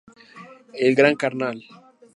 El gran canal.